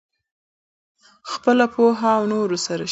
خپله پوهه له نورو سره شریک کړئ.